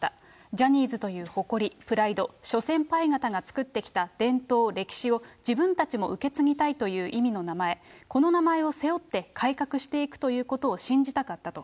ジャニーズという誇り、プライド、諸先輩方が作ってきた伝統、歴史を、自分たちも受け継ぎたいという意味の名前、この名前を背負って、改革していくということを信じたかったと。